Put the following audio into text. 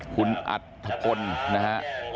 คุณอัธพลนะฮะ